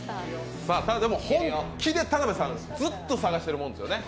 本気で田辺さん、ずっと探してるものですよね。